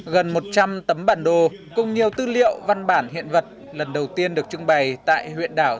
gần một trăm linh tấm bản đồ cùng nhiều tư liệu văn bản hiện vật lần đầu tiên được trưng bày tại huyện đảo